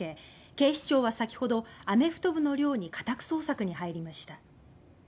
警視庁は先ほどアメフト部の寮に家宅捜索に入りました。